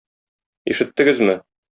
Ишеттегезме?